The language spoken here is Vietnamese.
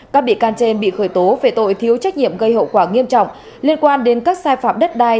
các bị can trên bị khởi tố về tội thiếu trách nhiệm gây hậu quả nghiêm trọng liên quan đến các sai phạm đất đai